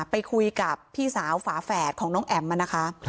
ไปคุยกับพี่สาวฝาแฝดของน้องแอ๋มมานะคะ